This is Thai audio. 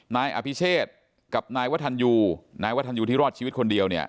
นายอภิเชษกับนายวัฒนยูนายวัฒนยูที่รอดชีวิตคนเดียวเนี่ย